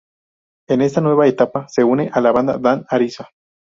En esta nueva etapa se une a la banda Dan Arisa.